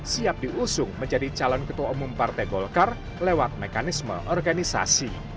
siap diusung menjadi calon ketua umum partai golkar lewat mekanisme organisasi